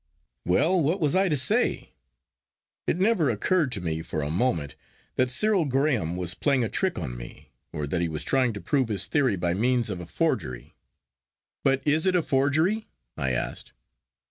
'Well, what was I to say? It never occurred to me for a moment that Cyril Graham was playing a trick on me, or that he was trying to prove his theory by means of a forgery.' 'But is it a forgery?' I asked.